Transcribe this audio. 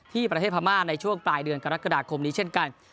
ที่ประเทศพม่าในช่วงปลายเดือนกรกฎาคมนี้เช่นกัน